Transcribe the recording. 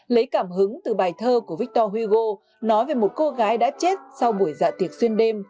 lấy cảm hứng từ bài thơ của victor hugo nói về một cô gái đã chết sau buổi dạ tiệc xuyên đêm